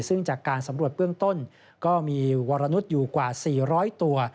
ซึ่งจากการสำรวจเบื้องต้นก็มีวรนุษย์อยู่กว่า๔๐๐ตัว